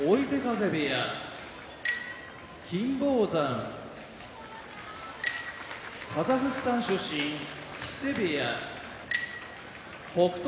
金峰山カザフスタン出身木瀬部屋北勝